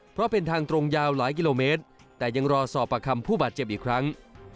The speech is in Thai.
เพราะเป็นทางตรงยาวหลายกิโลเมตรแต่ยังรอสอบประคำผู้บาดเจ็บอีกครั้ง